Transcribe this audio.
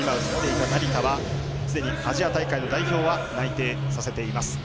成田はすでにアジア大会の代表は内定させています。